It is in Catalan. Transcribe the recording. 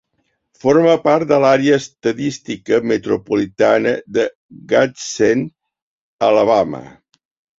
Forma part de l'àrea estadística metropolitana de Gadsden, Alabama.